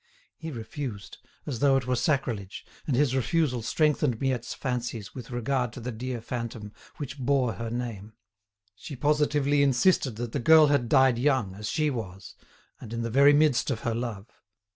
He refused, as though it were sacrilege, and his refusal strengthened Miette's fancies with regard to the dear phantom which bore her name. She positively insisted that the girl had died young, as she was, and in the very midst of her love.